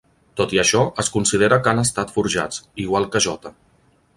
Tot i això, es considera que han estat forjats, igual que J.